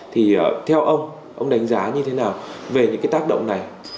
thì theo ông ông đánh giá như thế nào về những cái tác động này